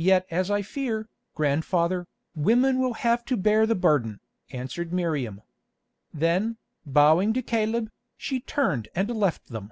"Yet as I fear, grandfather, women will have to bear the burden," answered Miriam. Then, bowing to Caleb, she turned and left them.